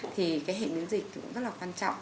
thì cái hệ biến dịch cũng rất là quan trọng